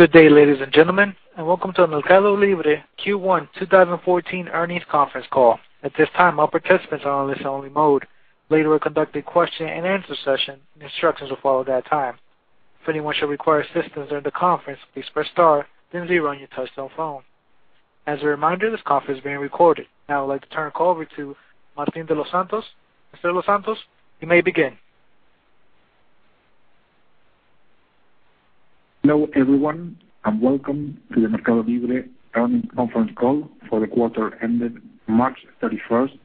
Good day, ladies and gentlemen. Welcome to MercadoLibre Q1 2014 earnings conference call. At this time, all participants are on listen only mode. Later, we'll conduct a question and answer session. Instructions will follow at that time. If anyone should require assistance during the conference, please press star then zero on your touch-tone phone. As a reminder, this conference is being recorded. Now I would like to turn the call over to Martín de los Santos. Mr. de los Santos, you may begin. Hello, everyone. Welcome to the MercadoLibre earnings conference call for the quarter ended March 31st,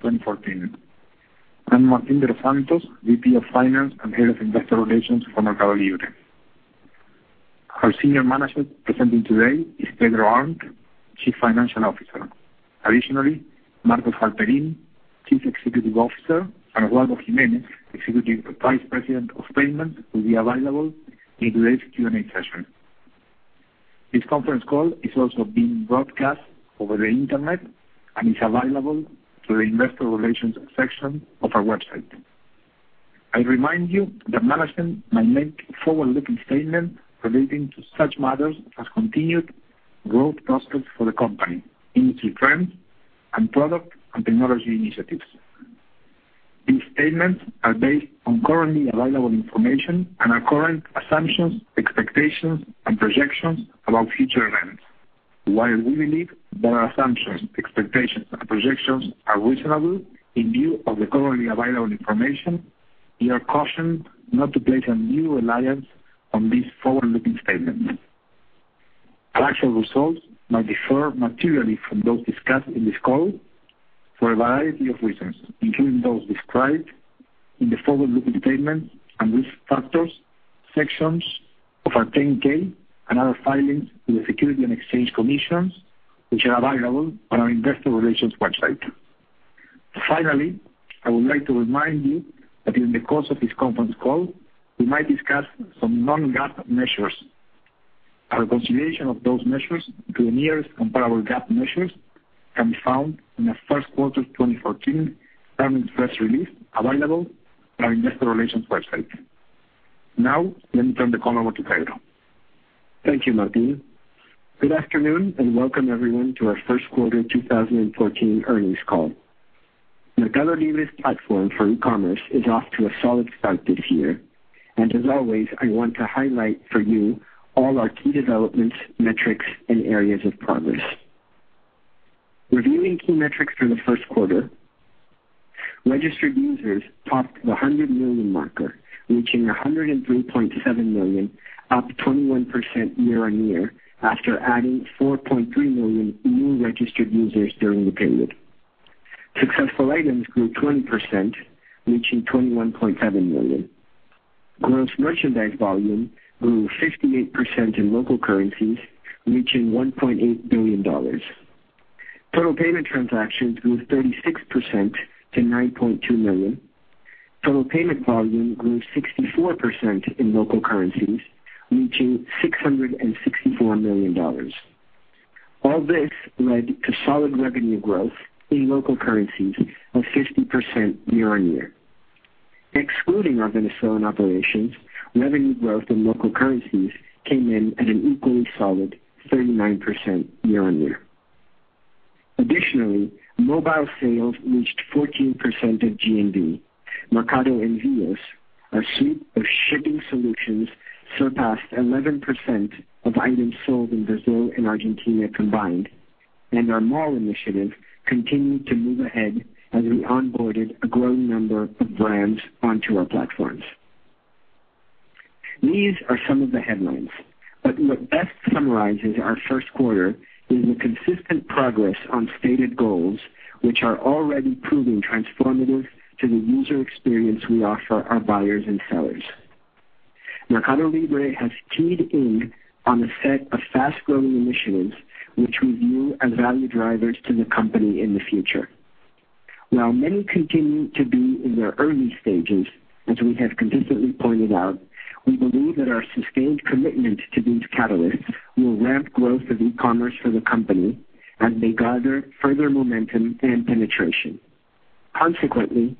2014. I'm Martín de los Santos, VP of Finance and Head of Investor Relations for MercadoLibre. Our senior management presenting today is Pedro Arnt, Chief Financial Officer. Additionally, Marcos Galperín, Chief Executive Officer, Osvaldo Gimenez, Executive Vice President of Payment, will be available in today's Q&A session. This conference call is also being broadcast over the internet and is available through the investor relations section of our website. I remind you that management may make forward-looking statements relating to such matters as continued growth prospects for the company, industry trends, product and technology initiatives. These statements are based on currently available information and our current assumptions, expectations, and projections about future events. While we believe that our assumptions, expectations, and projections are reasonable in view of the currently available information, you are cautioned not to place undue reliance on these forward-looking statements. Actual results may differ materially from those discussed in this call for a variety of reasons, including those described in the forward-looking statements and risk factors sections of our 10-K and other filings with the Securities and Exchange Commission, which are available on our investor relations website. Finally, I would like to remind you that in the course of this conference call, we might discuss some non-GAAP measures. Our consideration of those measures to the nearest comparable GAAP measures can be found in the first quarter of 2014 earnings press release available on our investor relations website. Now, let me turn the call over to Pedro. Thank you, Martín. Good afternoon. Welcome everyone to our first quarter 2014 earnings call. MercadoLibre's platform for e-commerce is off to a solid start this year. As always, I want to highlight for you all our key developments, metrics, areas of progress. Reviewing key metrics for the first quarter, registered users topped the 100 million marker, reaching 103.7 million, up 21% year-on-year after adding 4.3 million new registered users during the period. Successful items grew 20%, reaching 21.7 million. Gross merchandise volume grew 58% in local currencies, reaching $1.8 billion. Total payment transactions grew 36% to 9.2 million. Total payment volume grew 64% in local currencies, reaching $664 million. All this led to solid revenue growth in local currencies of 50% year-on-year. Excluding our Venezuelan operations, revenue growth in local currencies came in at an equally solid 39% year-on-year. Additionally, mobile sales reached 14% of GMV. Mercado Envios, our suite of shipping solutions, surpassed 11% of items sold in Brazil and Argentina combined, and our mall initiative continued to move ahead as we onboarded a growing number of brands onto our platforms. These are some of the headlines, but what best summarizes our first quarter is the consistent progress on stated goals, which are already proving transformative to the user experience we offer our buyers and sellers. MercadoLibre has keyed in on a set of fast-growing initiatives which we view as value drivers to the company in the future. While many continue to be in their early stages, as we have consistently pointed out, we believe that our sustained commitment to these catalysts will ramp growth of e-commerce for the company as they gather further momentum and penetration. Consequently,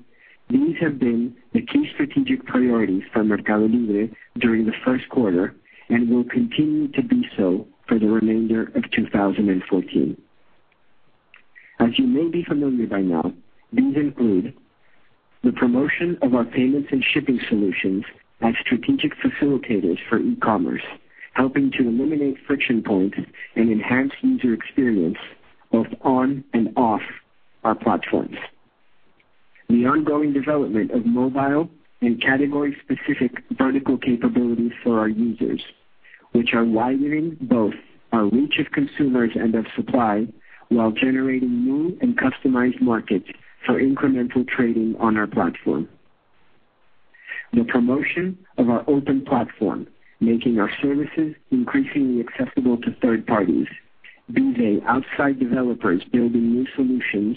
these have been the key strategic priorities for MercadoLibre during the first quarter and will continue to be so for the remainder of 2014. As you may be familiar by now, these include the promotion of our payments and shipping solutions as strategic facilitators for e-commerce, helping to eliminate friction points and enhance user experience both on and off our platforms. The ongoing development of mobile and category-specific vertical capabilities for our users, which are widening both our reach of consumers and of supply while generating new and customized markets for incremental trading on our platform. The promotion of our open platform, making our services increasingly accessible to third parties, be they outside developers building new solutions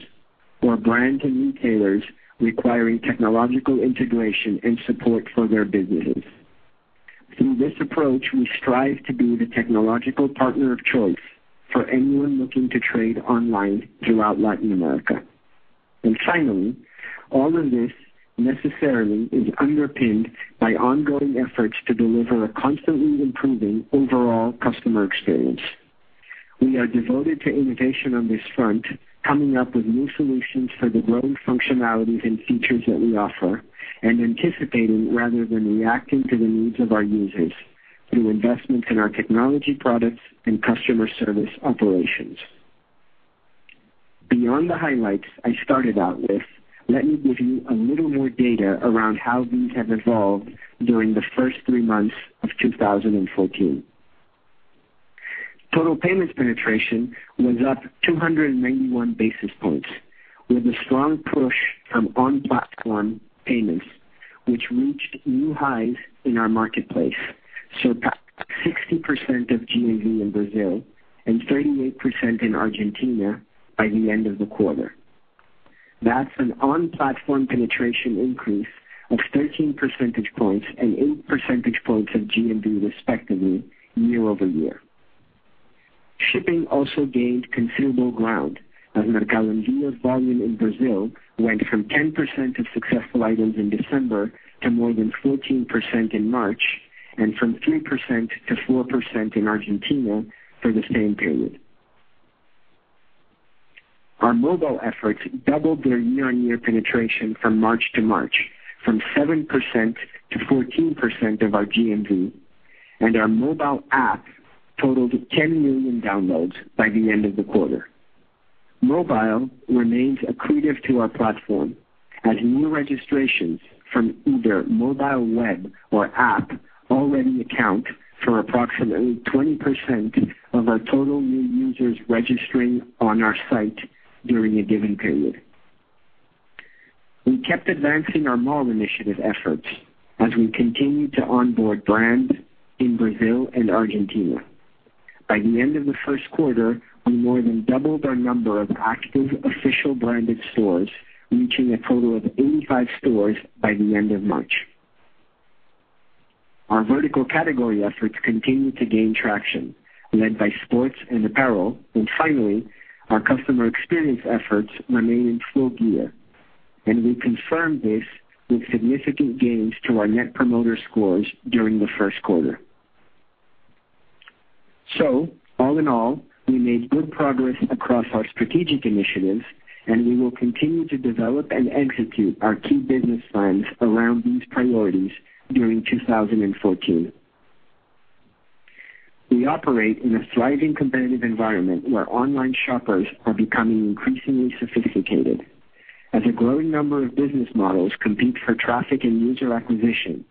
or brands and retailers requiring technological integration and support for their businesses. Through this approach, we strive to be the technological partner of choice for anyone looking to trade online throughout Latin America. Finally, all of this necessarily is underpinned by ongoing efforts to deliver a constantly improving overall customer experience. We are devoted to innovation on this front, coming up with new solutions for the growing functionalities and features that we offer, and anticipating rather than reacting to the needs of our users through investments in our technology products and customer service operations. Beyond the highlights I started out with, let me give you a little more data around how these have evolved during the first three months of 2014. Total payments penetration was up 291 basis points with a strong push from on-platform payments, which reached new highs in our marketplace, surpassed 60% of GMV in Brazil and 38% in Argentina by the end of the quarter. That's an on-platform penetration increase of 13 percentage points and eight percentage points of GMV, respectively, year-over-year. Shipping also gained considerable ground as Mercado Envios volume in Brazil went from 10% of successful items in December to more than 14% in March, and from 3% to 4% in Argentina for the same period. Our mobile efforts doubled their year-on-year penetration from March to March, from 7% to 14% of our GMV, and our mobile app totaled 10 million downloads by the end of the quarter. Mobile remains accretive to our platform as new registrations from either mobile web or app already account for approximately 20% of our total new users registering on our site during a given period. We kept advancing our mall initiative efforts as we continued to onboard brands in Brazil and Argentina. By the end of the first quarter, we more than doubled our number of active official branded stores, reaching a total of 85 stores by the end of March. Our vertical category efforts continued to gain traction led by sports and apparel. Finally, our customer experience efforts remain in full gear, and we confirmed this with significant gains to our Net Promoter Scores during the first quarter. All in all, we made good progress across our strategic initiatives, and we will continue to develop and execute our key business plans around these priorities during 2014. We operate in a thriving competitive environment where online shoppers are becoming increasingly sophisticated. As a growing number of business models compete for traffic and user acquisition,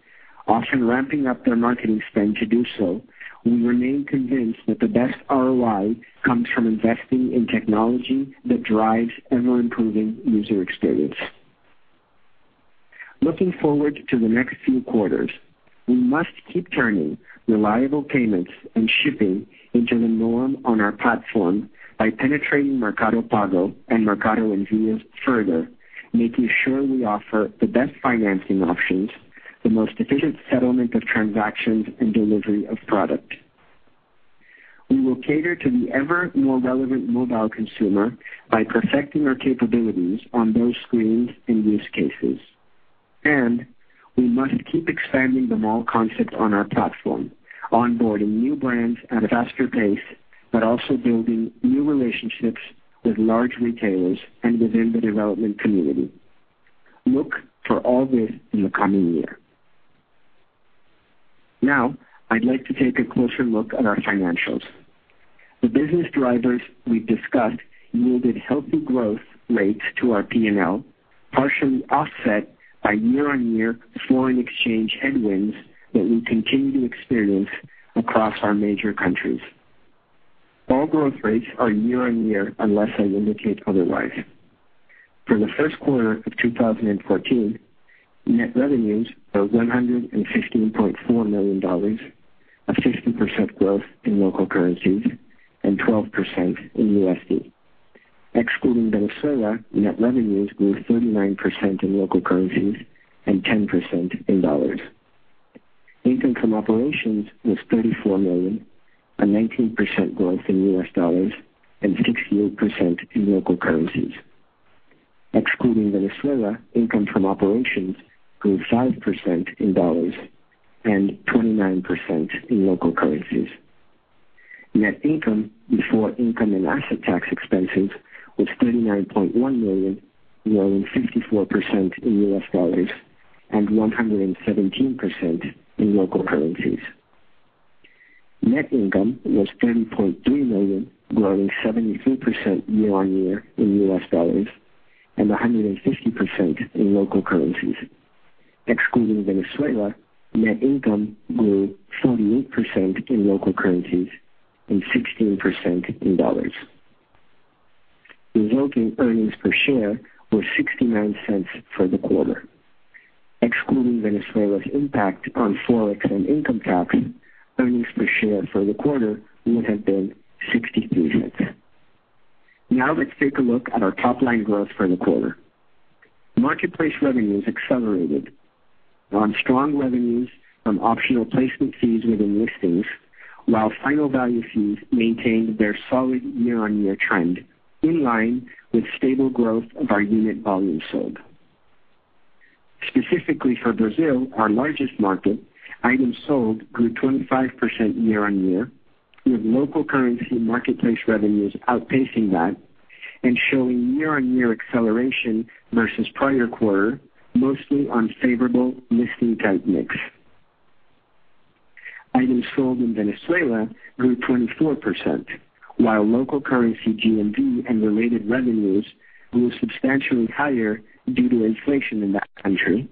often ramping up their marketing spend to do so, we remain convinced that the best ROI comes from investing in technology that drives ever-improving user experience. Looking forward to the next few quarters, we must keep turning reliable payments and shipping into the norm on our platform by penetrating Mercado Pago and Mercado Envios further, making sure we offer the best financing options, the most efficient settlement of transactions, and delivery of product. We will cater to the ever more relevant mobile consumer by perfecting our capabilities on those screens and use cases. We must keep expanding the mall concept on our platform, onboarding new brands at a faster pace, but also building new relationships with large retailers and within the development community. Look for all this in the coming year. I'd like to take a closer look at our financials. The business drivers we've discussed yielded healthy growth rates to our P&L, partially offset by year-on-year foreign exchange headwinds that we continue to experience across our major countries. All growth rates are year-on-year, unless I indicate otherwise. For the first quarter of 2014, net revenues are $116.4 million, a 16% growth in local currencies and 12% in USD. Excluding Venezuela, net revenues grew 39% in local currencies and 10% in USD. Income from operations was $34 million, a 19% growth in USD and 68% in local currencies. Excluding Venezuela, income from operations grew 5% in USD and 29% in local currencies. Net income before income and asset tax expenses was $39.1 million, growing 54% in USD and 117% in local currencies. Net income was $30.3 million, growing 73% year-on-year in USD and 150% in local currencies. Excluding Venezuela, net income grew 38% in local currencies and 16% in USD. Diluted earnings per share were $0.69 for the quarter. Excluding Venezuela's impact on Forex and income tax, earnings per share for the quarter would have been $0.63. Let's take a look at our top-line growth for the quarter. Marketplace revenues accelerated on strong revenues from optional placement fees within listings, while final value fees maintained their solid year-on-year trend, in line with stable growth of our unit volume sold. Specifically for Brazil, our largest market, items sold grew 25% year-on-year, with local currency marketplace revenues outpacing that and showing year-on-year acceleration versus prior quarter, mostly on favorable listing type mix. Items sold in Venezuela grew 24%, while local currency GMV and related revenues grew substantially higher due to inflation in that country,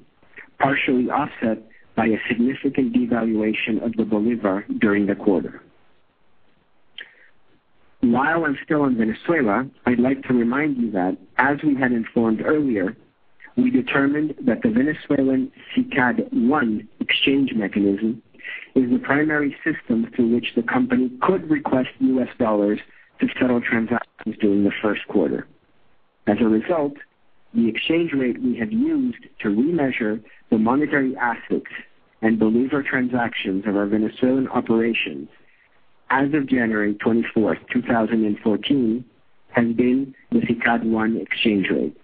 partially offset by a significant devaluation of the bolivar during the quarter. While I'm still on Venezuela, I'd like to remind you that as we had informed earlier, we determined that the Venezuelan SICAD I exchange mechanism is the primary system through which the company could request US dollars to settle transactions during the first quarter. As a result, the exchange rate we have used to remeasure the monetary assets and bolivar transactions of our Venezuelan operations as of January 24th, 2014, has been the SICAD I exchange rate,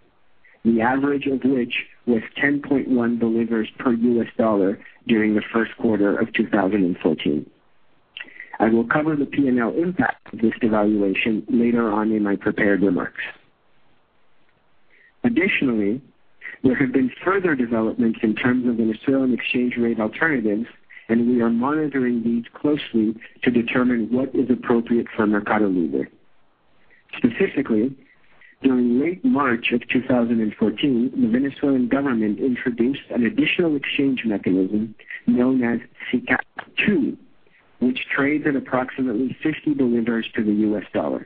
the average of which was 10.1 bolivars per USD during the first quarter of 2014. I will cover the P&L impact of this devaluation later on in my prepared remarks. Additionally, there have been further developments in terms of Venezuelan exchange rate alternatives, and we are monitoring these closely to determine what is appropriate for MercadoLibre. Specifically, during late March of 2014, the Venezuelan government introduced an additional exchange mechanism known as SICAD II, which trades at approximately 50 bolivars to the USD.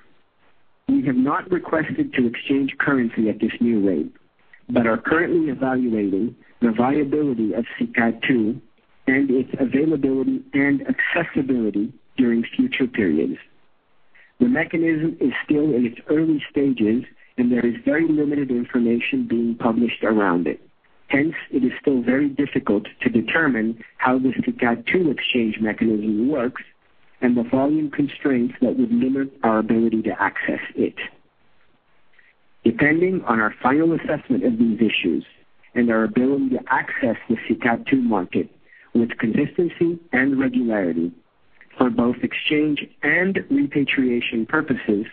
We have not requested to exchange currency at this new rate, but are currently evaluating the viability of SICAD II and its availability and accessibility during future periods. The mechanism is still in its early stages and there is very limited information being published around it. Hence, it is still very difficult to determine how this SICAD II exchange mechanism works and the volume constraints that would limit our ability to access it. Depending on our final assessment of these issues and our ability to access the SICAD II market with consistency and regularity for both exchange and repatriation purposes,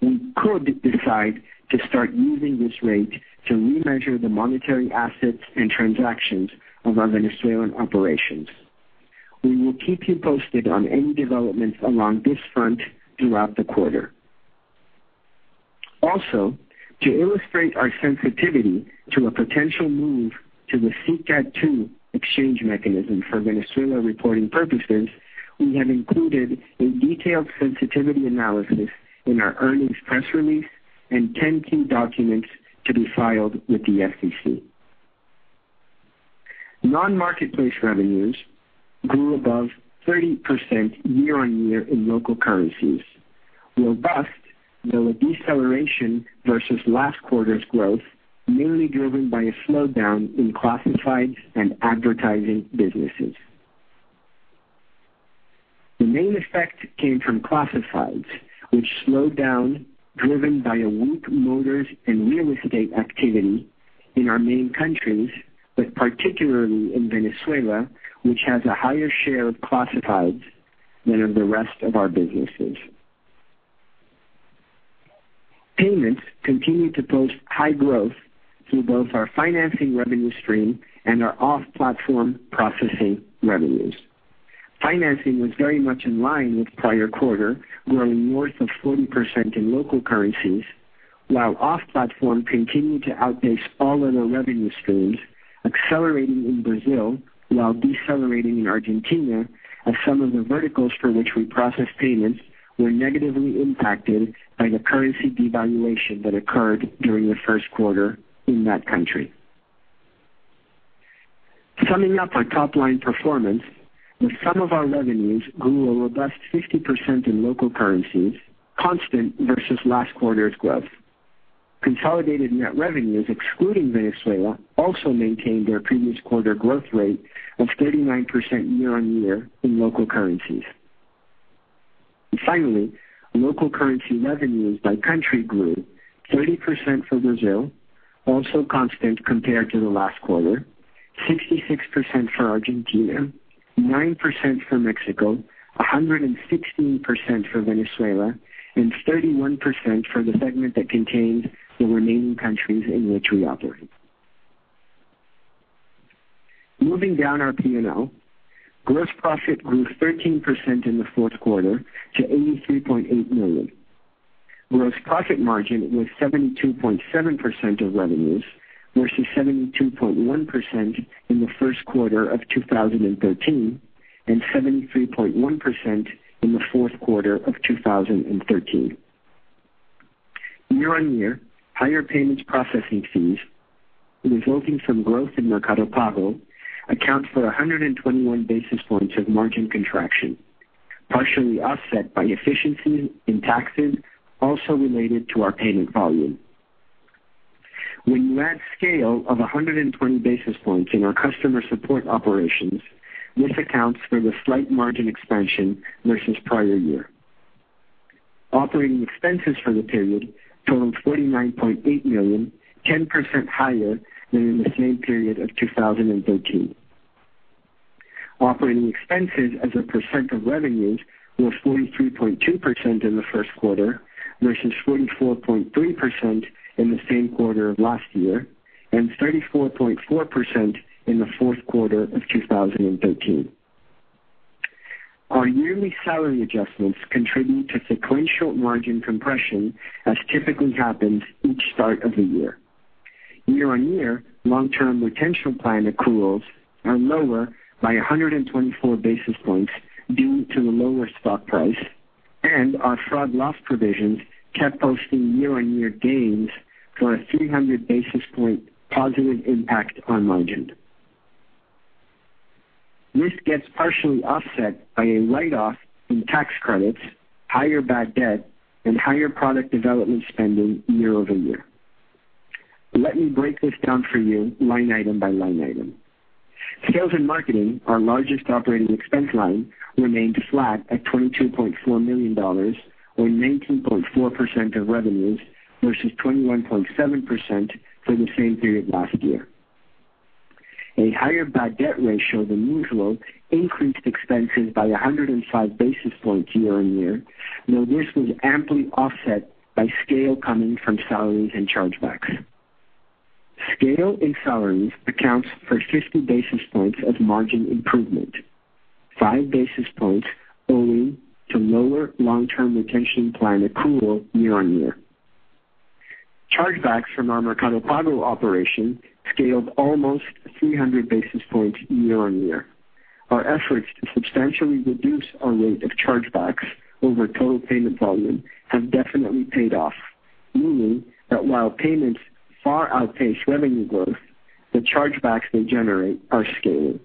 we could decide to start using this rate to remeasure the monetary assets and transactions of our Venezuelan operations. We will keep you posted on any developments along this front throughout the quarter. Also, to illustrate our sensitivity to a potential move to the SICAD II exchange mechanism for Venezuela reporting purposes, we have included a detailed sensitivity analysis in our earnings press release and 10-Q documents to be filed with the SEC. Non-marketplace revenues grew above 30% year-on-year in local currencies. Robust, though a deceleration versus last quarter's growth, mainly driven by a slowdown in classifieds and advertising businesses. The main effect came from classifieds, which slowed down, driven by a weak motors and real estate activity in our main countries, but particularly in Venezuela, which has a higher share of classifieds than of the rest of our businesses. Payments continued to post high growth through both our financing revenue stream and our off-platform processing revenues. Financing was very much in line with prior quarter, growing more than 40% in local currencies, while off-platform continued to outpace all other revenue streams, accelerating in Brazil while decelerating in Argentina as some of the verticals for which we process payments were negatively impacted by the currency devaluation that occurred during the first quarter in that country. Summing up our top-line performance, the sum of our revenues grew a robust 50% in local currencies, constant versus last quarter's growth. Consolidated net revenues excluding Venezuela also maintained their previous quarter growth rate of 39% year-on-year in local currencies. Finally, local currency revenues by country grew 30% for Brazil, also constant compared to the last quarter, 66% for Argentina, 9% for Mexico, 116% for Venezuela, and 31% for the segment that contains the remaining countries in which we operate. Moving down our P&L, gross profit grew 13% in the fourth quarter to $83.8 million. Gross profit margin was 72.7% of revenues, versus 72.1% in the first quarter of 2013 and 73.1% in the fourth quarter of 2013. Year-on-year, higher payments processing fees resulting from growth in Mercado Pago accounts for 121 basis points of margin contraction, partially offset by efficiency in taxes also related to our payment volume. When you add scale of 120 basis points in our customer support operations, this accounts for the slight margin expansion versus prior year. Operating expenses for the period totaled $49.8 million, 10% higher than in the same period of 2013. Operating expenses as a percent of revenues were 43.2% in the first quarter versus 44.3% in the same quarter of last year and 34.4% in the fourth quarter of 2013. Our yearly salary adjustments contribute to sequential margin compression as typically happens each start of the year. Year-on-year long-term retention plan accruals are lower by 124 basis points due to the lower stock price, and our fraud loss provisions kept posting year-on-year gains for a 300 basis point positive impact on margin. This gets partially offset by a write-off in tax credits, higher bad debt, and higher product development spending year-over-year. Let me break this down for you line item by line item. Sales and marketing, our largest operating expense line, remained flat at $22.4 million, or 19.4% of revenues versus 21.7% for the same period last year. A higher bad debt ratio than usual increased expenses by 105 basis points year-on-year, though this was amply offset by scale coming from salaries and chargebacks. Scale in salaries accounts for 50 basis points of margin improvement, five basis points owing to lower long-term retention plan accrual year-on-year. Chargebacks from our Mercado Pago operation scaled almost 300 basis points year-on-year. Our efforts to substantially reduce our rate of chargebacks over total payment volume have definitely paid off, meaning that while payments far outpace revenue growth, the chargebacks they generate are scaling.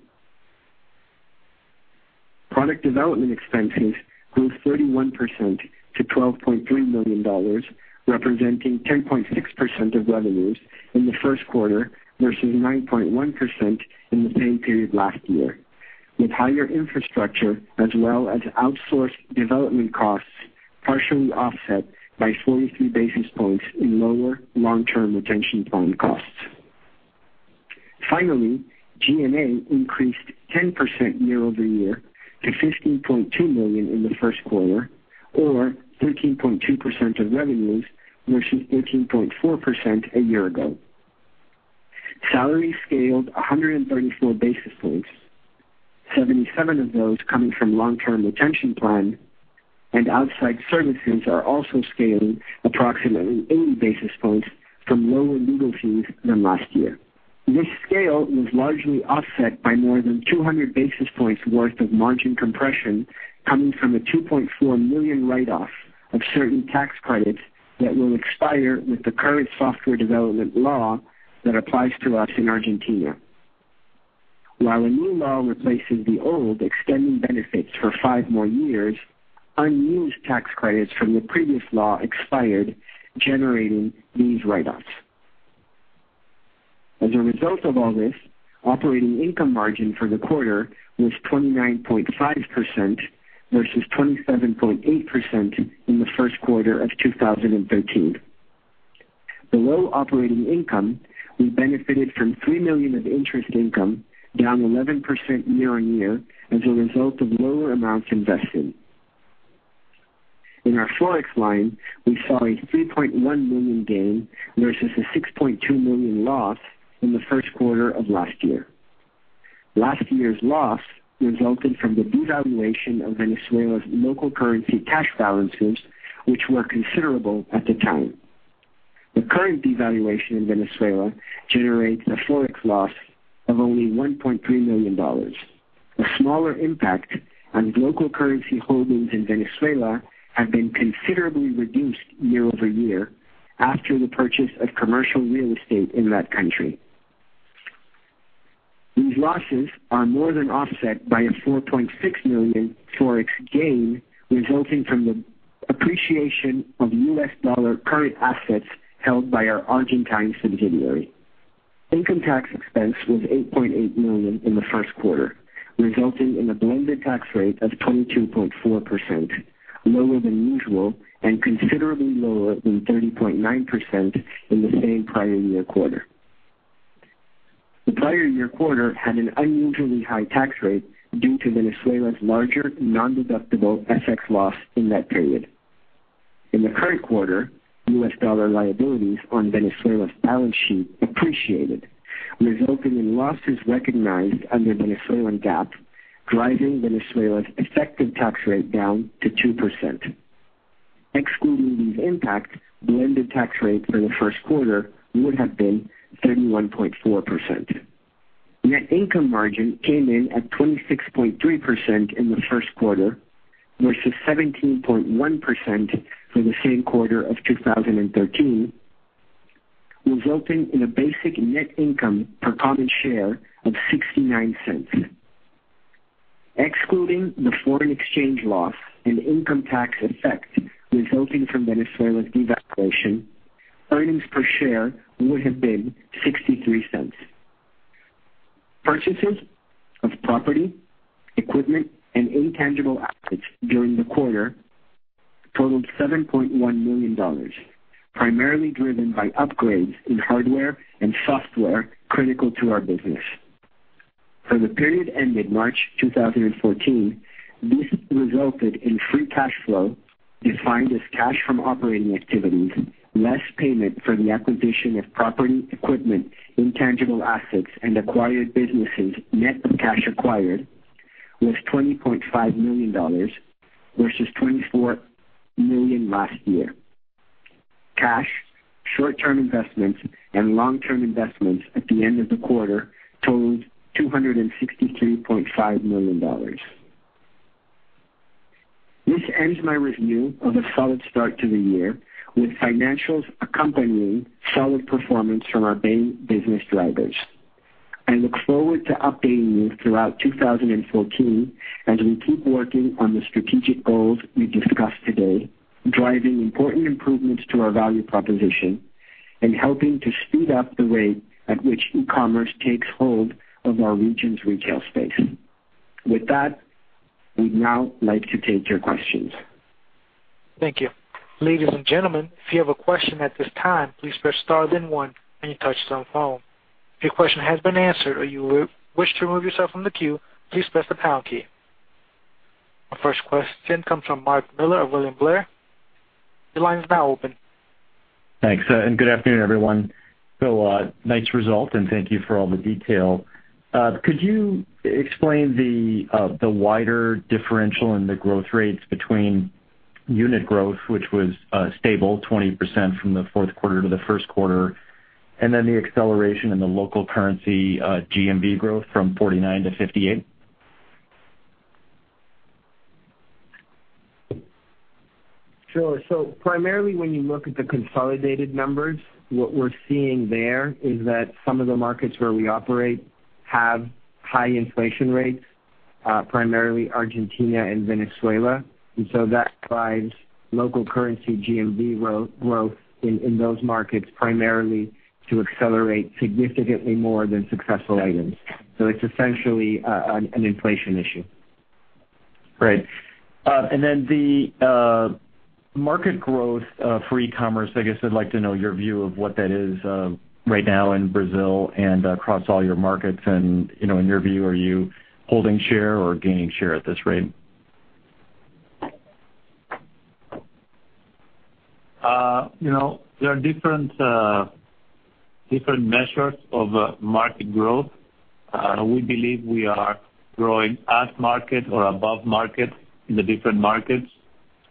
Product development expenses grew 31% to $12.3 million, representing 10.6% of revenues in the first quarter versus 9.1% in the same period last year with higher infrastructure as well as outsourced development costs partially offset by 43 basis points in lower long-term retention plan costs. Finally, G&A increased 10% year-over-year to $15.2 million in the first quarter or 13.2% of revenues versus 18.4% a year ago. Salary scaled 134 basis points, 77 of those coming from long-term retention plan. Outside services are also scaling approximately 80 basis points from lower legal fees than last year. This scale was largely offset by more than 200 basis points worth of margin compression coming from a $2.4 million write-off of certain tax credits that will expire with the current software development law that applies to us in Argentina. While a new law replaces the old extending benefits for five more years, unused tax credits from the previous law expired, generating these write-offs. As a result of all this, operating income margin for the quarter was 29.5% versus 27.8% in the first quarter of 2013. Below operating income, we benefited from $3 million of interest income, down 11% year-on-year as a result of lower amounts invested. In our Forex line, we saw a $3.1 million gain versus a $6.2 million loss in the first quarter of last year. Last year's loss resulted from the devaluation of Venezuela's local currency cash balances, which were considerable at the time. The current devaluation in Venezuela generates a Forex loss of only $1.3 million. A smaller impact on local currency holdings in Venezuela have been considerably reduced year-over-year after the purchase of commercial real estate in that country. These losses are more than offset by a $4.6 million Forex gain resulting from the appreciation of US dollar current assets held by our Argentine subsidiary. Income tax expense was $8.8 million in the first quarter, resulting in a blended tax rate of 22.4%, lower than usual and considerably lower than 30.9% in the same prior year quarter. The prior year quarter had an unusually high tax rate due to Venezuela's larger non-deductible FX loss in that period. In the current quarter, US dollar liabilities on Venezuela's balance sheet appreciated, resulting in losses recognized under Venezuelan GAAP, driving Venezuela's effective tax rate down to 2%. Excluding these impacts, blended tax rate for the first quarter would have been 31.4%. Net income margin came in at 26.3% in the first quarter, versus 17.1% for the same quarter of 2013, resulting in a basic net income per common share of $0.69. Excluding the foreign exchange loss and income tax effect resulting from Venezuela's devaluation, earnings per share would have been $0.63. Purchases of property, equipment, and intangible assets during the quarter totaled $7.1 million, primarily driven by upgrades in hardware and software critical to our business. For the period ended March 2014, this resulted in free cash flow defined as cash from operating activities, less payment for the acquisition of property, equipment, intangible assets, and acquired businesses net of cash acquired, was $20.5 million versus $24 million last year. Cash, short-term investments, and long-term investments at the end of the quarter totaled $263.5 million. This ends my review of a solid start to the year with financials accompanying solid performance from our main business drivers. I look forward to updating you throughout 2014 as we keep working on the strategic goals we discussed today, driving important improvements to our value proposition and helping to speed up the rate at which e-commerce takes hold of our region's retail space. We'd now like to take your questions. Thank you. Ladies and gentlemen, if you have a question at this time, please press star then one on your touchtone phone. If your question has been answered or you wish to remove yourself from the queue, please press the pound key. Our first question comes from Mark Miller of William Blair. Your line is now open. Thanks. Good afternoon, everyone. Nice result, and thank you for all the detail. Could you explain the wider differential in the growth rates between unit growth, which was stable, 20% from the fourth quarter to the first quarter, and then the acceleration in the local currency GMV growth from 49% to 58%? Sure. Primarily, when you look at the consolidated numbers, what we're seeing there is that some of the markets where we operate have high inflation rates, primarily Argentina and Venezuela. That drives local currency GMV growth in those markets primarily to accelerate significantly more than successful items. It's essentially an inflation issue. Right. The market growth for e-commerce, I guess I'd like to know your view of what that is right now in Brazil and across all your markets. In your view, are you holding share or gaining share at this rate? There are different measures of market growth. We believe we are growing at market or above market in the different markets.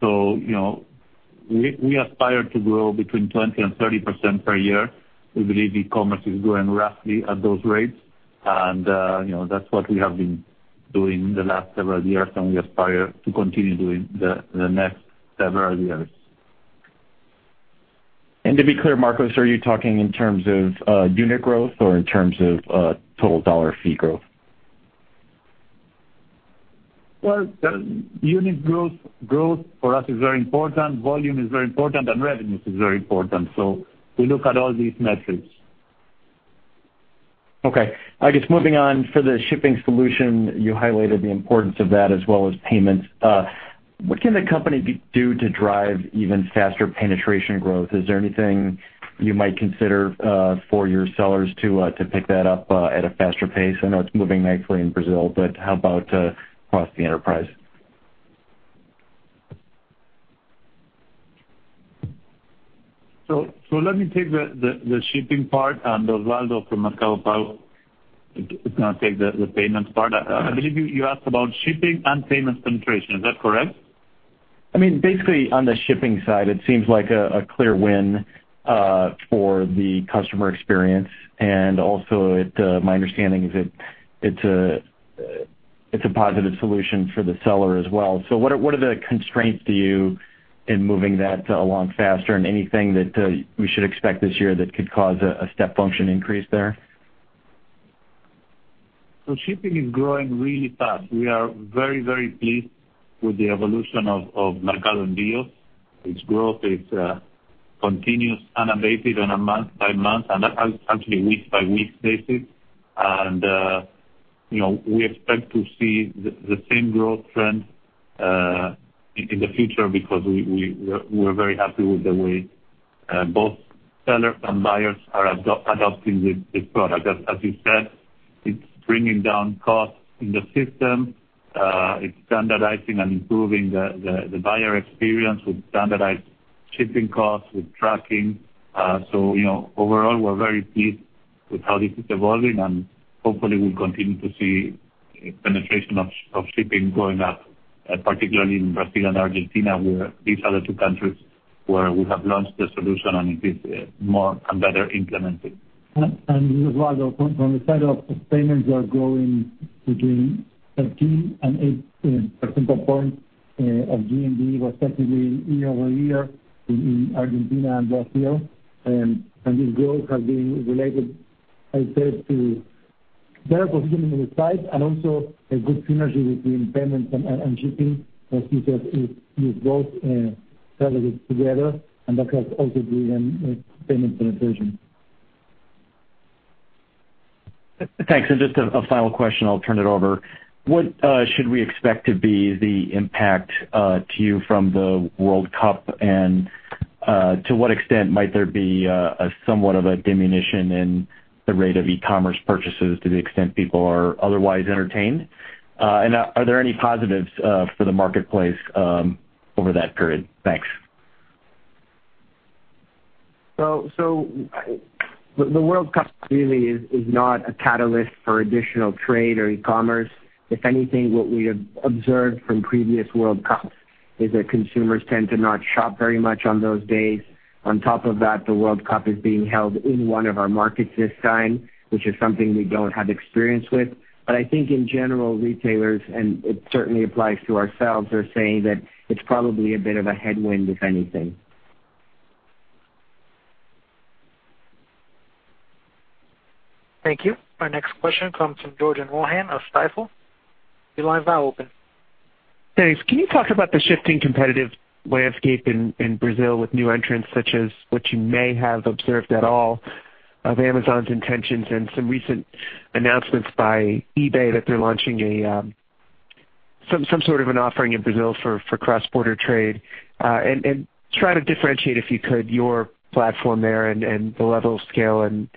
We aspire to grow between 20% and 30% per year. We believe e-commerce is growing roughly at those rates. That's what we have been doing the last several years, and we aspire to continue doing the next several years. To be clear, Marcos, are you talking in terms of unit growth or in terms of total dollar fee growth? Unit growth for us is very important. Volume is very important, and revenues is very important. We look at all these metrics. Moving on, for the shipping solution, you highlighted the importance of that as well as payments. What can the company do to drive even faster penetration growth? Is there anything you might consider for your sellers to pick that up at a faster pace? I know it's moving nicely in Brazil, but how about across the enterprise? Let me take the shipping part, and Osvaldo from Mercado Pago is going to take the payments part. I believe you asked about shipping and payment penetration. Is that correct? Basically, on the shipping side, it seems like a clear win for the customer experience. Also, my understanding is it's a positive solution for the seller as well. What are the constraints to you in moving that along faster, and anything that we should expect this year that could cause a step function increase there? Shipping is growing really fast. We are very, very pleased with the evolution of Mercado Envios. Its growth is continuous, unabated on a month-by-month, and actually week-by-week basis. We expect to see the same growth trend in the future because we're very happy with the way both sellers and buyers are adopting this product. As you said, it's bringing down costs in the system. It's standardizing and improving the buyer experience with standardized shipping costs, with tracking. Overall, we're very pleased with how this is evolving, and hopefully we'll continue to see penetration of shipping going up, particularly in Brazil and Argentina, where these are the two countries Where we have launched the solution, and it is more and better implemented. This is Osvaldo, from the side of payments, we are growing between 13 and 8 percentage point of GMV respectively year-over-year in Argentina and Brazil. This growth has been related, I said, to better positioning in the site and also a good synergy between payments and shipping, because if you both sell it together, and that has also driven payment penetration. Just a final question, I'll turn it over. What should we expect to be the impact to you from the World Cup? To what extent might there be a somewhat of a diminution in the rate of e-commerce purchases to the extent people are otherwise entertained? Are there any positives for the marketplace over that period? Thanks. The World Cup really is not a catalyst for additional trade or e-commerce. If anything, what we have observed from previous World Cup is that consumers tend to not shop very much on those days. On top of that, the World Cup is being held in one of our markets this time, which is something we don't have experience with. I think in general, retailers, and it certainly applies to ourselves, are saying that it's probably a bit of a headwind, if anything. Thank you. Our next question comes from George Mihalos of Stifel. Your line is now open. Thanks. Can you talk about the shifting competitive landscape in Brazil with new entrants, such as what you may have observed at all of Amazon's intentions and some recent announcements by eBay that they're launching some sort of an offering in Brazil for cross-border trade. Try to differentiate, if you could, your platform there and the level of scale and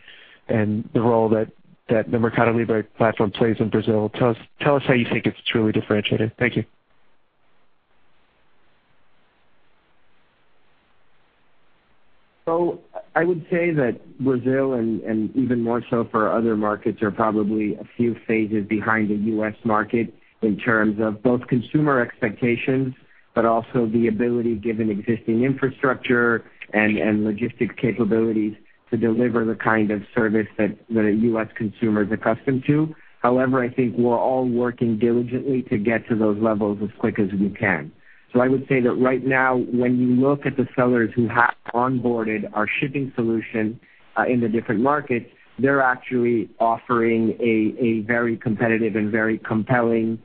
the role that the MercadoLibre platform plays in Brazil. Tell us how you think it's truly differentiated. Thank you. I would say that Brazil, and even more so for our other markets, are probably a few phases behind the U.S. market in terms of both consumer expectations, but also the ability, given existing infrastructure and logistic capabilities, to deliver the kind of service that a U.S. consumer is accustomed to. However, I think we're all working diligently to get to those levels as quick as we can. I would say that right now, when you look at the sellers who have onboarded our shipping solution in the different markets, they're actually offering a very competitive and very compelling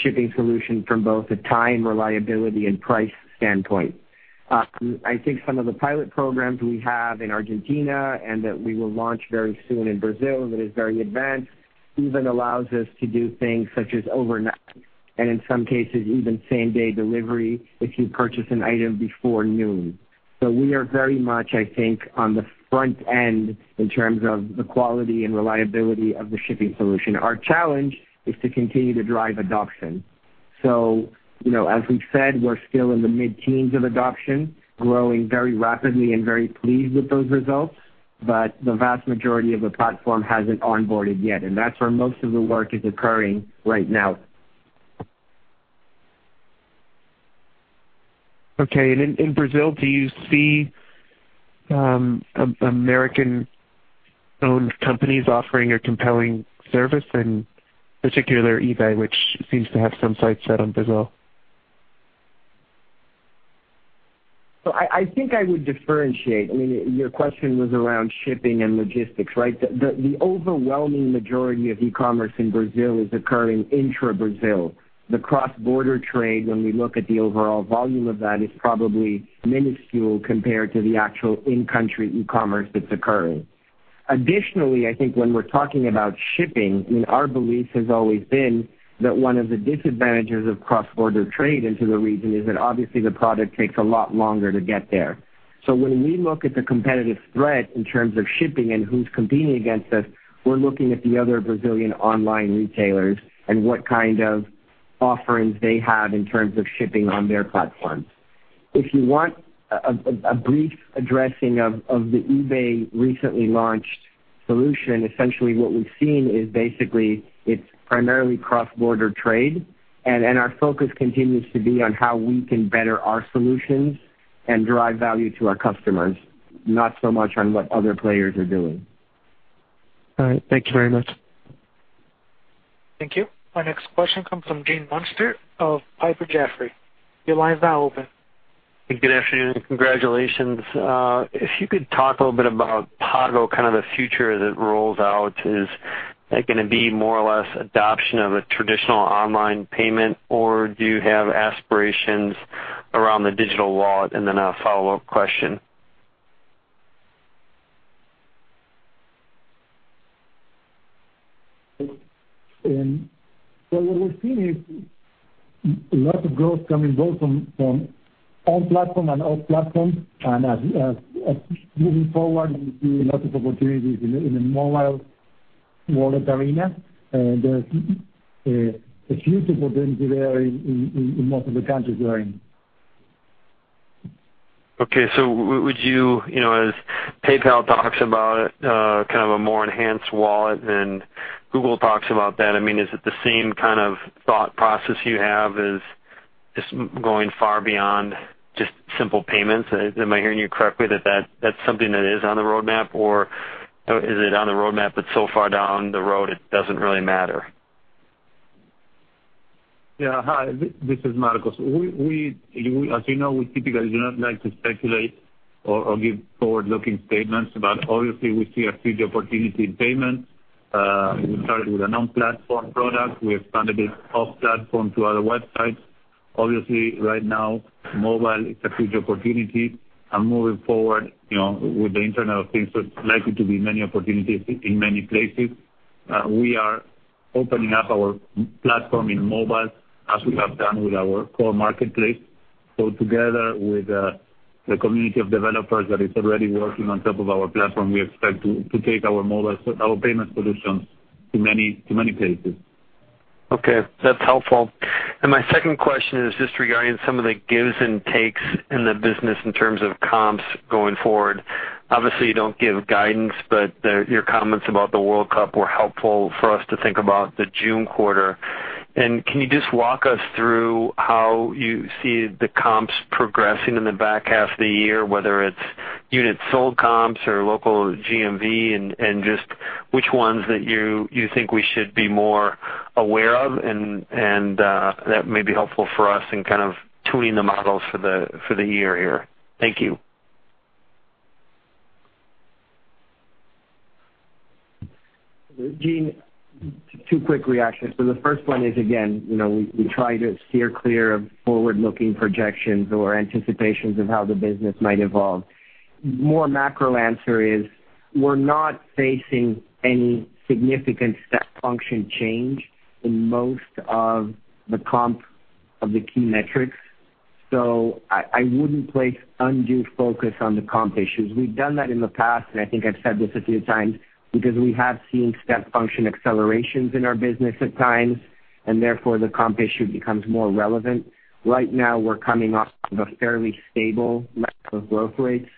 shipping solution from both a time, reliability, and price standpoint. I think some of the pilot programs we have in Argentina and that we will launch very soon in Brazil, that is very advanced, even allows us to do things such as overnight, and in some cases even same-day delivery if you purchase an item before noon. We are very much, I think, on the front end in terms of the quality and reliability of the shipping solution. Our challenge is to continue to drive adoption. As we said, we're still in the mid-teens of adoption, growing very rapidly and very pleased with those results. But the vast majority of the platform hasn't onboarded yet, and that's where most of the work is occurring right now. Okay. In Brazil, do you see U.S.-owned companies offering a compelling service, in particular eBay, which seems to have some sights set on Brazil? I think I would differentiate. Your question was around shipping and logistics, right? The overwhelming majority of e-commerce in Brazil is occurring intra-Brazil. The cross-border trade, when we look at the overall volume of that, is probably minuscule compared to the actual in-country e-commerce that's occurring. Additionally, I think when we're talking about shipping, our belief has always been that one of the disadvantages of cross-border trade into the region is that obviously the product takes a lot longer to get there. When we look at the competitive threat in terms of shipping and who's competing against us, we're looking at the other Brazilian online retailers and what kind of offerings they have in terms of shipping on their platforms. If you want a brief addressing of the eBay recently launched solution, essentially what we've seen is basically it's primarily cross-border trade. Our focus continues to be on how we can better our solutions and drive value to our customers, not so much on what other players are doing. All right. Thank you very much. Thank you. Our next question comes from Gene Munster of Piper Jaffray. Your line is now open. Good afternoon. Congratulations. If you could talk a little bit about Pago, kind of the future as it rolls out. Is that going to be more or less adoption of a traditional online payment, or do you have aspirations around the digital wallet? Then a follow-up question. What we're seeing is lots of growth coming both from on platform and off platform. Moving forward, we see a lot of opportunities in the mobile wallet arena. There's a few people doing it there in most of the countries we are in. Okay. Would you, as PayPal talks about kind of a more enhanced wallet and Google talks about that. Is it the same kind of thought process you have? Is this going far beyond just simple payments? Am I hearing you correctly that that's something that is on the roadmap, or is it on the roadmap but so far down the road it doesn't really matter? Yeah. Hi, this is Marcos. As you know, we typically do not like to speculate or give forward-looking statements. Obviously, we see a huge opportunity in payment. We started with a non-platform product. We expanded it off-platform to other websites. Obviously, right now, mobile is a huge opportunity. Moving forward, with the Internet of Things, there's likely to be many opportunities in many places. We are opening up our platform in mobile as we have done with our core marketplace. Together with the community of developers that is already working on top of our platform, we expect to take our payment solutions to many places. Okay. That's helpful. My second question is just regarding some of the gives and takes in the business in terms of comps going forward. Obviously, you don't give guidance, but your comments about the World Cup were helpful for us to think about the June quarter. Can you just walk us through how you see the comps progressing in the back half of the year, whether it's unit sold comps or local GMV, and just which ones that you think we should be more aware of and that may be helpful for us in kind of tuning the models for the year here. Thank you. Gene, two quick reactions. The first one is, again, we try to steer clear of forward-looking projections or anticipations of how the business might evolve. More macro answer is, we're not facing any significant step function change in most of the comp of the key metrics. I wouldn't place undue focus on the comp issues. We've done that in the past, and I think I've said this a few times, because we have seen step function accelerations in our business at times, and therefore the comp issue becomes more relevant. Right now, we're coming off of a fairly stable mix of growth rates,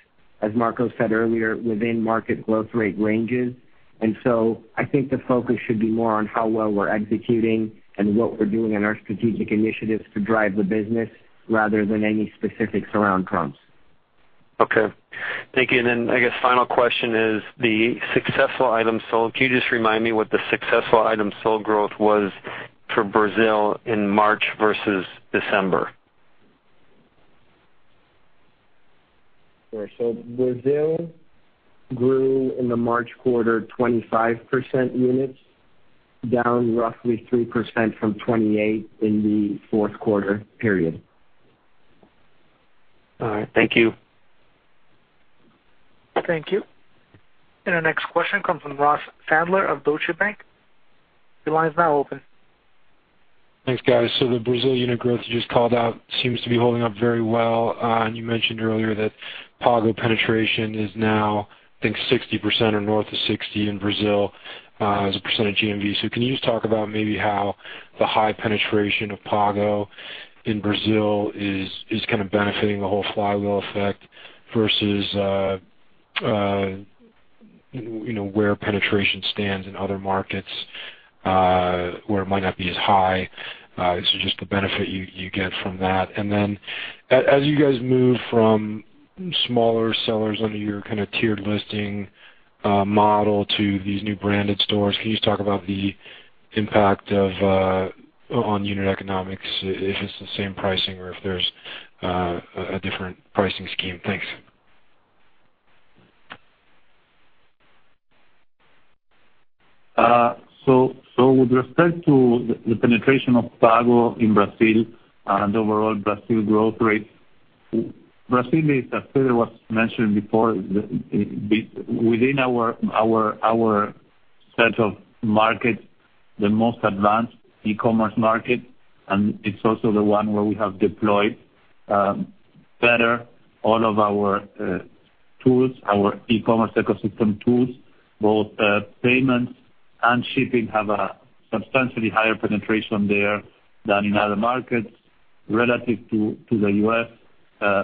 as Marcos said earlier, within market growth rate ranges. I think the focus should be more on how well we're executing and what we're doing in our strategic initiatives to drive the business rather than any specifics around comps. Okay. Thank you. I guess final question is the successful items sold. Can you just remind me what the successful item sold growth was for Brazil in March versus December? Sure. Brazil grew in the March quarter, 25% units, down roughly 3% from 28 in the fourth quarter period. All right. Thank you. Thank you. Our next question comes from Ross Sandler of Deutsche Bank. Your line is now open. Thanks, guys. The Brazil unit growth you just called out seems to be holding up very well. You mentioned earlier that Pago penetration is now, I think, 60% or north of 60 in Brazil as a percent of GMV. Can you just talk about maybe how the high penetration of Pago in Brazil is kind of benefiting the whole flywheel effect versus where penetration stands in other markets where it might not be as high? Just the benefit you get from that. Then as you guys move from smaller sellers under your kind of tiered listing model to these new branded stores, can you just talk about the impact on unit economics, if it's the same pricing or if there's a different pricing scheme? Thanks. With respect to the penetration of Pago in Brazil and overall Brazil growth rate, Brazil is, as Pedro was mentioning before, within our set of markets, the most advanced e-commerce market, and it's also the one where we have deployed better all of our tools, our e-commerce ecosystem tools, both payments and shipping, have a substantially higher penetration there than in other markets. Relative to the U.S.,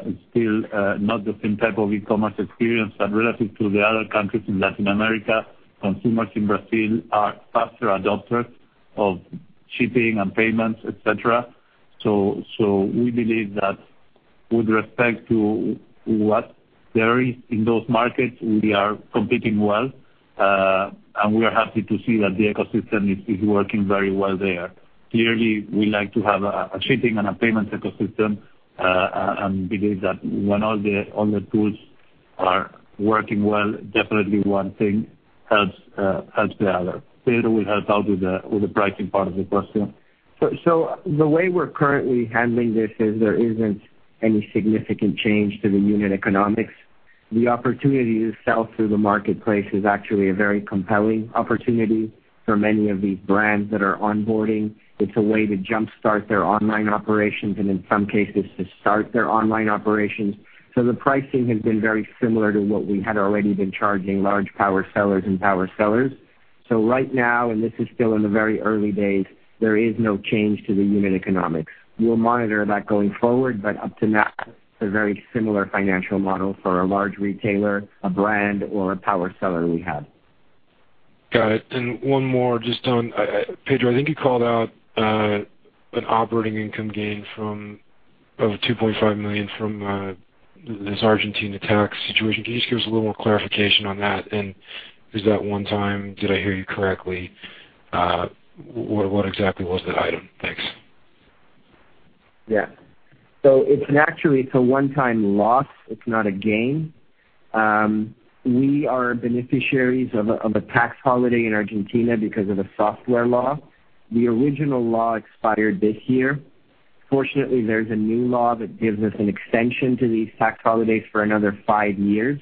it's still not the same type of e-commerce experience, but relative to the other countries in Latin America, consumers in Brazil are faster adopters of shipping and payments, et cetera. We believe that with respect to what there is in those markets, we are competing well, and we are happy to see that the ecosystem is working very well there. Clearly, we like to have a shipping and a payment ecosystem, and believe that when all the tools are working well, definitely one thing helps the other. Pedro will help out with the pricing part of the question. The way we're currently handling this is there is not any significant change to the unit economics. The opportunity to sell through the marketplace is actually a very compelling opportunity for many of these brands that are onboarding. It's a way to jumpstart their online operations and in some cases, to start their online operations. The pricing has been very similar to what we had already been charging large power sellers and power sellers. Right now, and this is still in the very early days, there is no change to the unit economics. We'll monitor that going forward, but up to now. A very similar financial model for a large retailer, a brand, or a power seller we have. Got it. One more, just on, Pedro, I think you called out an operating income gain of $2.5 million from this Argentine tax situation. Can you just give us a little more clarification on that? Is that one time? Did I hear you correctly? What exactly was that item? Thanks. Yeah. Actually, it's a one-time loss. It's not a gain. We are beneficiaries of a tax holiday in Argentina because of the software law. The original law expired this year. Fortunately, there's a new law that gives us an extension to these tax holidays for another five years,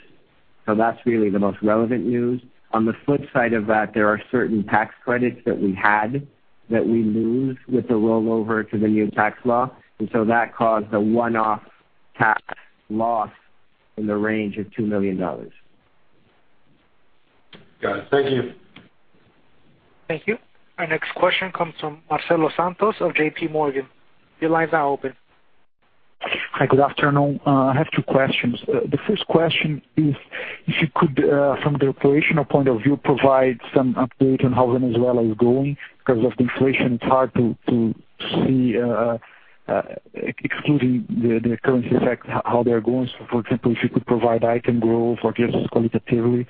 that's really the most relevant news. On the flip side of that, there are certain tax credits that we had that we lose with the rollover to the new tax law, that caused a one-off tax loss in the range of $2 million. Got it. Thank you. Thank you. Our next question comes from Marcelo Santos of JP Morgan. Your line's now open. Hi, good afternoon. I have two questions. The first question is if you could, from the operational point of view, provide some update on how Venezuela is going because of the inflation, it's hard to see, excluding the currency effect, how they're going. For example, if you could provide item growth or just qualitatively.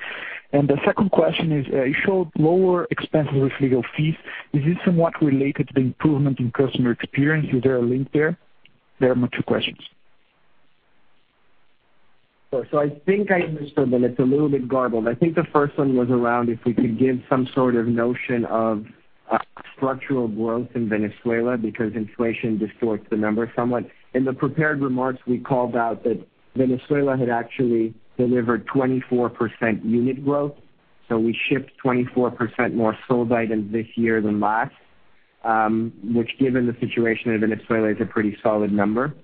The second question is, you showed lower expenses with legal fees. Is this somewhat related to the improvement in customer experience? Is there a link there? They are my two questions. I think I understood, but it's a little bit garbled. I think the first one was around if we could give some sort of notion of structural growth in Venezuela because inflation distorts the numbers somewhat. In the prepared remarks, we called out that Venezuela had actually delivered 24% unit growth. We shipped 24% more sold items this year than last, which given the situation in Venezuela, is a pretty solid number.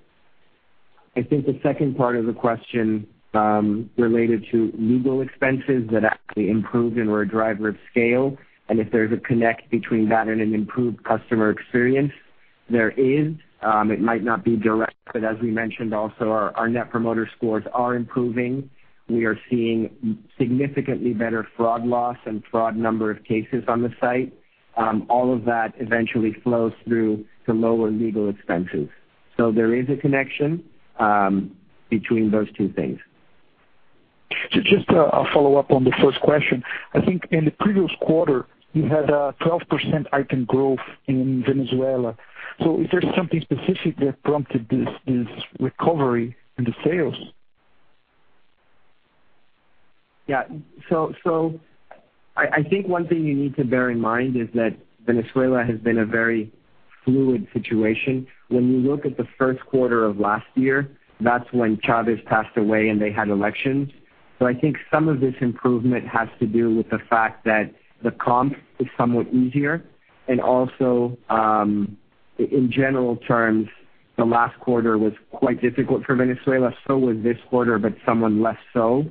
I think the second part of the question related to legal expenses that actually improved and were a driver of scale, and if there's a connect between that and an improved customer experience. There is. It might not be direct, but as we mentioned also, our Net Promoter Score are improving. We are seeing significantly better fraud loss and fraud number of cases on the site. All of that eventually flows through to lower legal expenses. There is a connection between those two things. Just a follow-up on the first question. I think in the previous quarter, you had a 12% item growth in Venezuela. Is there something specific that prompted this recovery in the sales? I think one thing you need to bear in mind is that Venezuela has been a very fluid situation. When you look at the first quarter of last year, that's when Chávez passed away and they had elections. I think some of this improvement has to do with the fact that the comp is somewhat easier, and also, in general terms, the last quarter was quite difficult for Venezuela, was this quarter, but somewhat less so.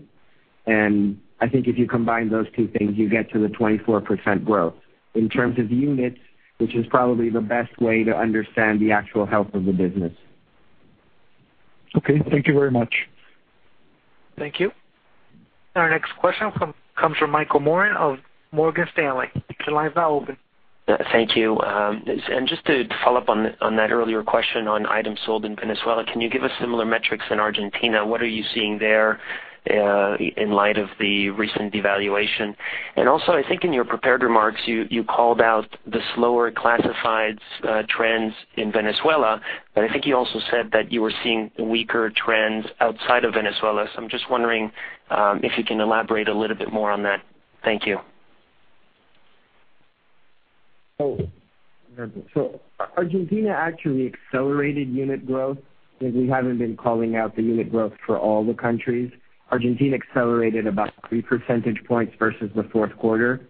I think if you combine those two things, you get to the 24% growth in terms of units, which is probably the best way to understand the actual health of the business. Okay. Thank you very much. Thank you. Our next question comes from Michael Moran of Morgan Stanley. Your line's now open. Thank you. Just to follow up on that earlier question on items sold in Venezuela, can you give us similar metrics in Argentina? What are you seeing there in light of the recent devaluation? Also, I think in your prepared remarks, you called out the slower classifieds trends in Venezuela, but I think you also said that you were seeing weaker trends outside of Venezuela. I'm just wondering if you can elaborate a little bit more on that. Thank you. Argentina actually accelerated unit growth. Since we haven't been calling out the unit growth for all the countries. Argentina accelerated about three percentage points versus the fourth quarter.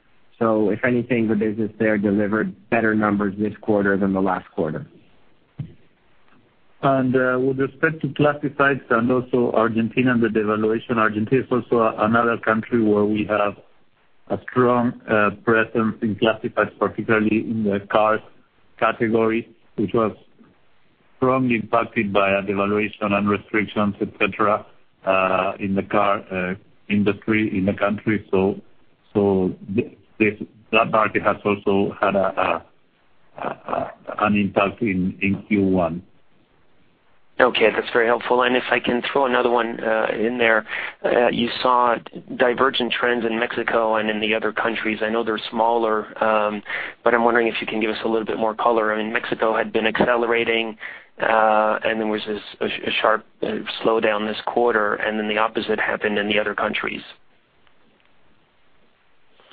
If anything, the business there delivered better numbers this quarter than the last quarter. With respect to classifieds and also Argentina and the devaluation, Argentina is also another country where we have a strong presence in classifieds, particularly in the cars category, which was strongly impacted by a devaluation and restrictions, et cetera, in the car industry in the country. That market has also had an impact in Q1. Okay, that's very helpful. If I can throw another one in there. You saw divergent trends in Mexico and in the other countries. I know they're smaller, but I'm wondering if you can give us a little bit more color. I mean, Mexico had been accelerating, there was a sharp slowdown this quarter, then the opposite happened in the other countries.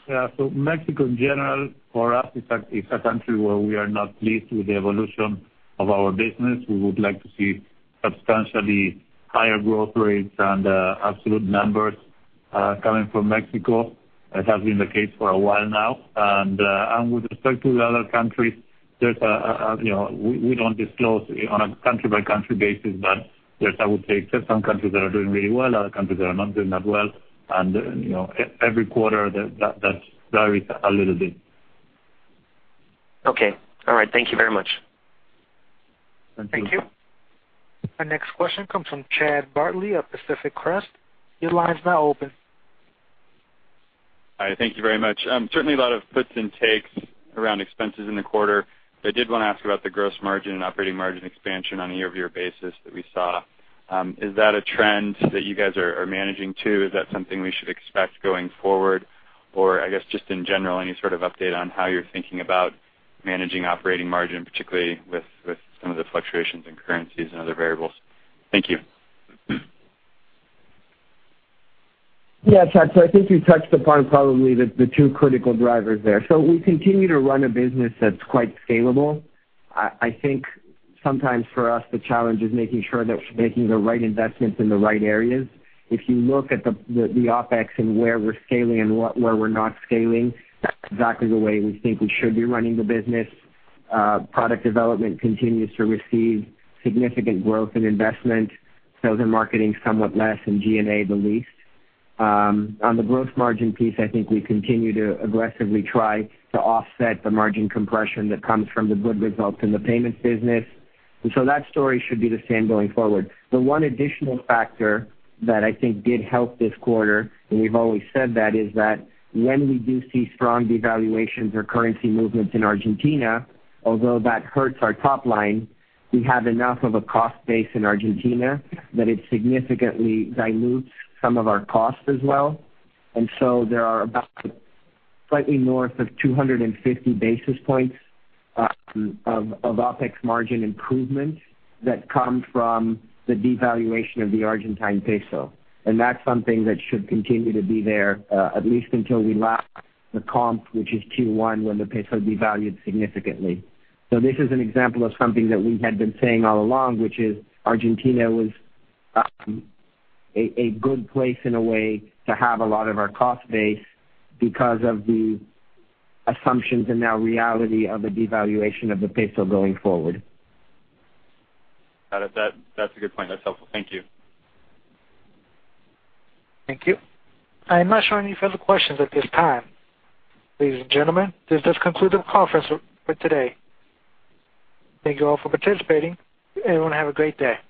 Yeah. Mexico in general for us is a country where we are not pleased with the evolution of our business. We would like to see substantially higher growth rates and absolute numbers coming from Mexico. That has been the case for a while now. With respect to the other countries, we don't disclose on a country-by-country basis, but there's, I would say, some countries that are doing really well, other countries that are not doing that well. Every quarter that varies a little bit. Okay. All right. Thank you very much. Thank you. Our next question comes from Chad Bartley of Pacific Crest. Your line's now open. Hi, thank you very much. Certainly a lot of puts and takes around expenses in the quarter, I did want to ask about the gross margin and operating margin expansion on a year-over-year basis that we saw. Is that a trend that you guys are managing too? Is that something we should expect going forward? I guess just in general, any sort of update on how you're thinking about managing operating margin, particularly with some of the fluctuations in currencies and other variables? Thank you. Chad. I think you touched upon probably the two critical drivers there. We continue to run a business that's quite scalable. I think sometimes for us, the challenge is making sure that we're making the right investments in the right areas. If you look at the OpEx and where we're scaling and where we're not scaling, that's exactly the way we think we should be running the business. Product development continues to receive significant growth in investment. Sales and marketing, somewhat less, and G&A, the least. On the gross margin piece, I think we continue to aggressively try to offset the margin compression that comes from the good results in the payments business. That story should be the same going forward. The one additional factor that I think did help this quarter, we've always said that, is that when we do see strong devaluations or currency movements in Argentina, although that hurts our top line, we have enough of a cost base in Argentina that it significantly dilutes some of our costs as well. There are about slightly north of 250 basis points of OpEx margin improvement that come from the devaluation of the Argentine peso. That's something that should continue to be there, at least until we lap the comp, which is Q1, when the peso devalued significantly. This is an example of something that we had been saying all along, which is Argentina was a good place in a way to have a lot of our cost base because of the assumptions and now reality of a devaluation of the peso going forward. Got it. That's a good point. That's helpful. Thank you. Thank you. I am not showing any further questions at this time. Ladies and gentlemen, this does conclude the conference for today. Thank you all for participating. Everyone, have a great day.